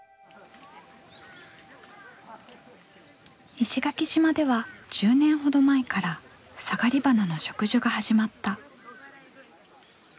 石垣島では１０年ほど前からサガリバナの植樹が始まった。